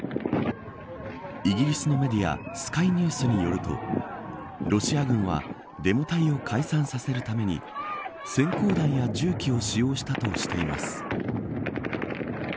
イギリスのメディアスカイニュースによるとロシア軍はデモ隊を解散させるために閃光弾や銃器を使用したとしています。